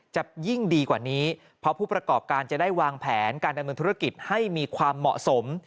จะยิ่งดีกว่านี้เพราะผู้ประกอบการจะได้วางแผนการดำเนินธุรกิจให้มีความเหมาะสม